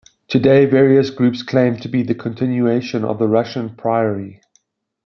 Today various groups claim to be the continuation of the Russian Priory.